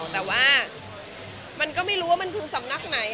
แต่ว่ามันก็ไม่รู้ว่ามันคือสำนักไหน